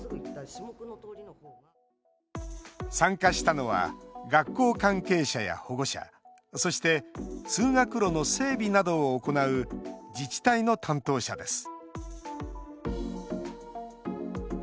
参加したのは学校関係者や保護者そして、通学路の整備などを行う自治体の担当者です